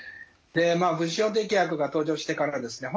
まあ分子標的薬が登場してからはですね